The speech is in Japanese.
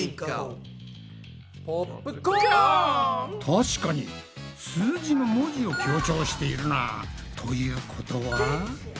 確かに数字の文字を強調しているな。ということは？